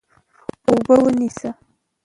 اوبه ونیسه.